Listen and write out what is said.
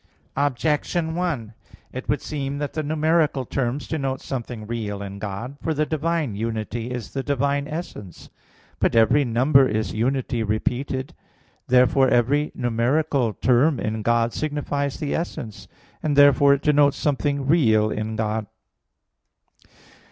Objection 1: It would seem that the numeral terms denote something real in God. For the divine unity is the divine essence. But every number is unity repeated. Therefore every numeral term in God signifies the essence; and therefore it denotes something real in God.